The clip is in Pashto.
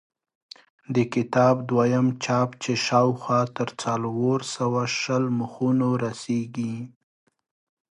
د کتاب دویم چاپ چې شاوخوا تر څلور سوه شل مخونو رسېږي.